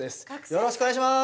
よろしくお願いします！